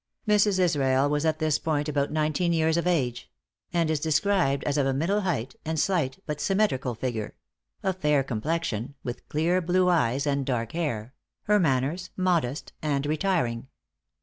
Mrs. Israel was at this period about nineteen years of age; and is described as of middle height, and slight but symmetrical figure; of fair complexion, with clear blue eyes and dark hair; her manners modest and retiring.